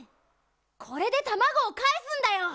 これでたまごをかえすんだよ！